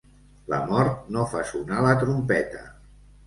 La mort no fa sonar la trompeta.